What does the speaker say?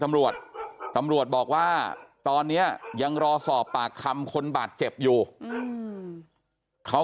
ตำรวจตำรวจบอกว่าตอนนี้ยังรอสอบปากคำคนบาดเจ็บอยู่เขา